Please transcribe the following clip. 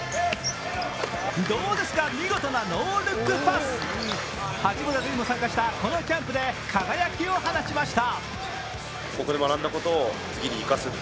どうですか、見事なノールックパス八村塁も参加したこのキャンプで輝きを放ちました。